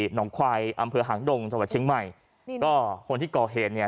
หนองควายอำเภอหางดงสวัสดิ์ชึ้งใหม่ก็คนที่ก่อเหตุเนี่ย